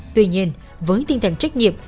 tuy nhiên với tinh thần trách nhiệm